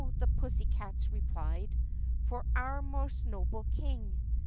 the pussycats replied, "For our most noble King!"